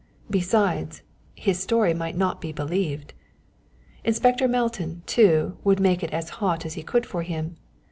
Besides, his story might not be believed. Inspector Melton, too, would make it as hot as he could for him.